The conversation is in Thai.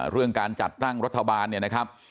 เรื่องการจัดตั้งรัฐบาลเนี่ยนะครับ